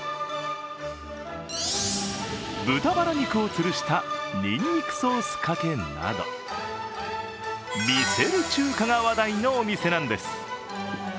豚バラ肉をつるしたニンニクソースかけなど、魅せる中華が話題のお店なんです。